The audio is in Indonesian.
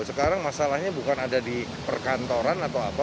sekarang masalahnya bukan ada di perkantoran atau apa